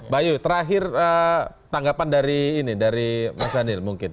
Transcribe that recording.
bayu terakhir tanggapan dari ini dari mas daniel mungkin